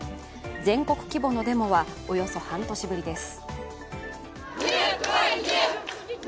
全国規模のデモはおよそ半年ぶりです。